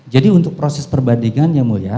jadi untuk proses perbandingan yang mulia